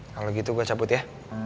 kalau gitu gue cabut ya